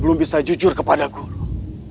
belum bisa jujur kepada guru